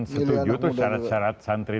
setuju tuh syarat syarat santri